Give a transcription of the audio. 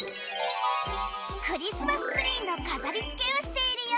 クリスマスツリーの飾りつけをしているよ。